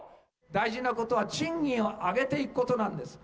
大事なことは賃金を上げていくことなんです。